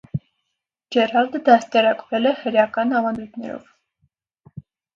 Ջերալդը դաստիարակվել է հրեական ավանդույթներով։